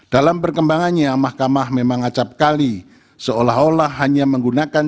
dalam perkembangannya mahkamah memang acapkali seolah olah hanya menggunakan